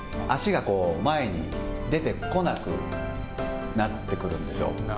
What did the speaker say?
足が前に出てこなくなってくるんですよ。